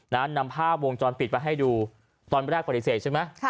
นำภาพวงจรปิดมาให้ดูตอนแรกปฏิเสธใช่ไหม